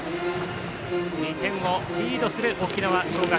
２点をリードする沖縄尚学。